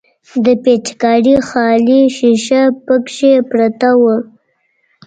د پيچکارۍ خالي ښيښه پکښې پرته وه.